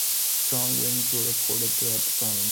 Strong winds were reported throughout the province.